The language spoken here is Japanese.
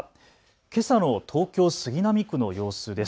けさの東京杉並区の様子です。